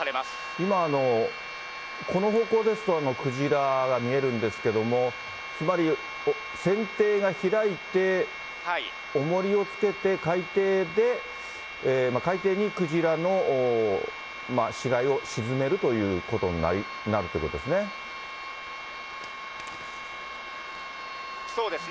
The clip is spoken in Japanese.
今、この方向ですと、クジラが見えるんですけども、つまり、船底が開いて、おもりをつけて海底にクジラの死骸を沈めるということになるということですね。